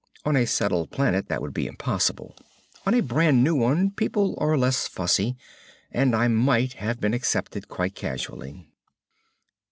On a settled planet that would be impossible. On a brand new one people are less fussy and I might have been accepted quite casually."